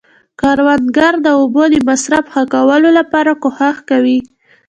کروندګر د اوبو د مصرف ښه کولو لپاره کوښښ کوي